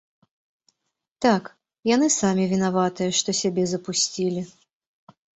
Так, яны самі вінаватыя, што сябе запусцілі.